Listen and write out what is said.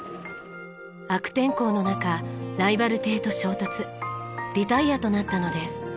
悪天候の中ライバル艇と衝突リタイアとなったのです。